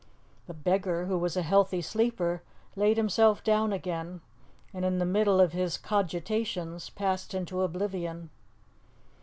The beggar, who was a healthy sleeper, laid himself down again, and in the middle of his cogitations passed into oblivion.